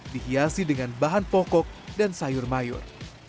dihiasi dengan bahan pokok dan sayur mayur